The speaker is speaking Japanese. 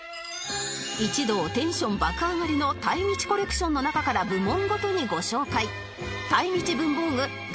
一同テンション爆上がりのたいみちコレクションの中から部門ごとにご紹介